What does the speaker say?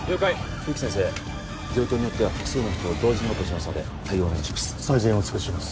冬木先生状況によっては複数の人を同時にオペしますので対応お願いします